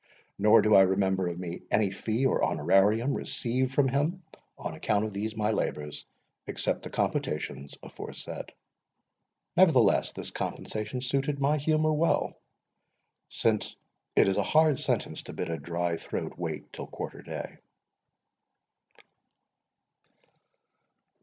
Nor do I remember me of any fee or HONORARIUM received from him on account of these my labours, except the compotations aforesaid. Nevertheless this compensation suited my humour well, since it is a hard sentence to bid a dry throat wait till quarter day.